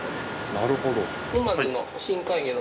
なるほど。